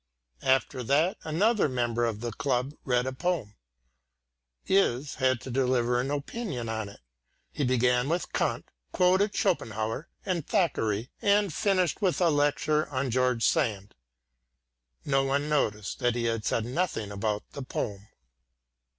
After that, another member of the club read a poem. Is had to deliver an opinion on it. He began with Kant, quoted Schopenhauer and Thackeray, and finished with a lecture on George Sand. No one noticed that he said nothing about the poem.